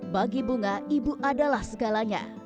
bagi bunga ibu adalah segalanya